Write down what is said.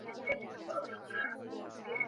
海合都被迫中止了纸币的使用。